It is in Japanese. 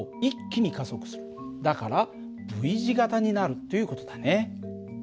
だからＶ字形になるっていう事だね。